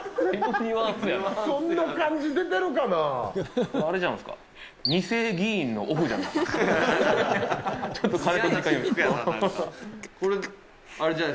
そんな感じ、出てるかな。